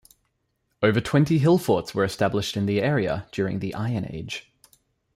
Over twenty hillforts were established in the area during the Iron Age.